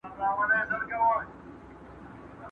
موج دي کم دریاب دي کم نهنګ دي کم.